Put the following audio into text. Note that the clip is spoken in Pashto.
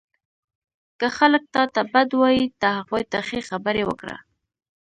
• که خلک تا ته بد وایي، ته هغوی ته ښې خبرې وکړه.